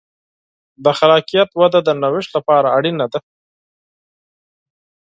د خلاقیت وده د نوښت لپاره اړینه ده.